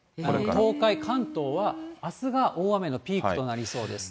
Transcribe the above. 東海、関東はあすが大雨のピークとなりそうです。